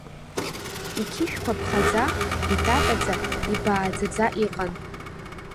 Иқьышәқәа ԥхаӡа, итатаӡа, ибааӡаӡа иҟан.